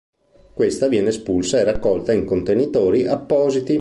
Questa viene espulsa e raccolta in contenitori appositi.